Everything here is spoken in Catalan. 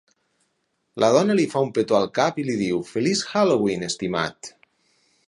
La dona li fa un petó al cap i li diu Feliç Halloween, estimat.